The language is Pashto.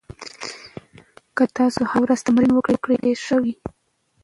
که تاسو هره ورځ تمرین وکړئ، پایله ښه وي.